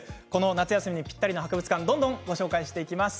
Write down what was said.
夏休みにぴったりの博物館どんどんご紹介していきます。